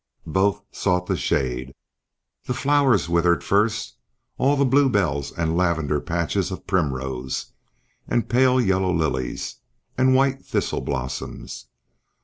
Both sought the shade. The flowers withered first all the blue bells and lavender patches of primrose, and pale yellow lilies, and white thistle blossoms.